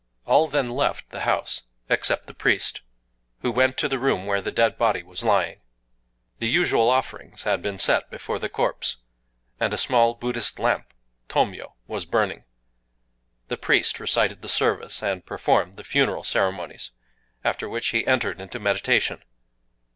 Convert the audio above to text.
All then left the house, except the priest, who went to the room where the dead body was lying. The usual offerings had been set before the corpse; and a small Buddhist lamp—tōmyō—was burning. The priest recited the service, and performed the funeral ceremonies,—after which he entered into meditation.